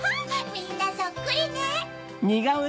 みんなそっくりね。